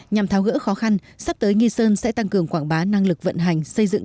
nhằm tháo gỡ khó khăn sắp tới nghi sơn sẽ tăng cường quảng bá năng lực vận hành xây dựng